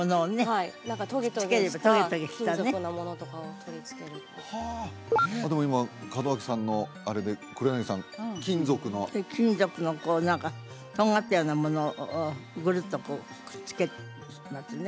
はい何かトゲトゲしたトゲトゲしたね金属のものとかを取り付けるはあでも今門脇さんのあれで黒柳さん金属の金属のこう何かとんがったようなものをグルッとこうくっつけますね